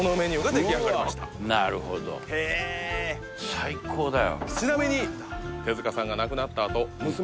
最高だよ